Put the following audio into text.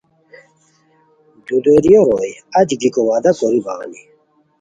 دودیریو روئے اچی گیکو وعدو کوری بغانی